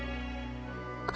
⁉あ。